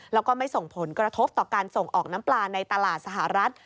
แล้วก็ไม่ส่งผลกระทบต่อการส่งออกน้ำปลาในตลาดสหรัฐ